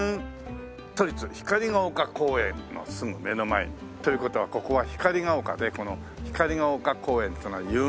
都立光が丘公園のすぐ目の前に。という事はここは光が丘でこの光が丘公園っていうのは有名なんですね。